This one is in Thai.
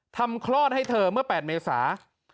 คลอดให้เธอเมื่อ๘เมษา